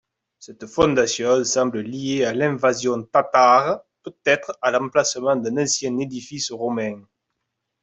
Cette fondation semble liée à l'invasion tatare, peut-être à l'emplacement d'un ancien édifice romain.